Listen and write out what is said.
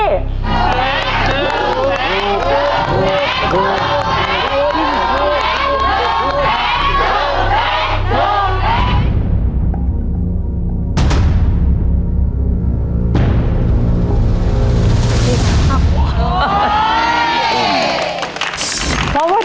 ถูกแสงถูกแสงถูกแสงถูกแสงถูกแสง